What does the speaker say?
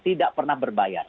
tidak pernah berbayar